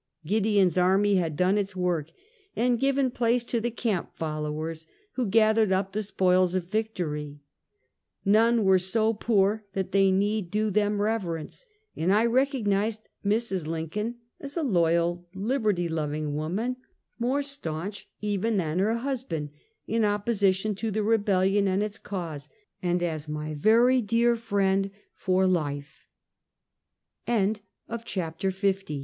Gideon's army had done its work, and given place to the camp followers, who gathered up the spoils of victory. None were so poor that they need do them reverence, and I recognized Mrs. Lin coln ss a loyal, liberty loving woman, more staunch even than her husband in opposition to the Rebellion and its cause, and as my very dear friend for li